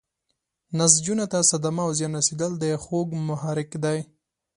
نسجونو ته صدمه او زیان رسیدل د خوږ محرک دی.